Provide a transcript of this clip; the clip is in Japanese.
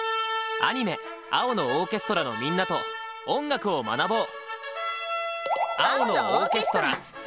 アニメ「青のオーケストラ」のみんなと音楽を学ぼう！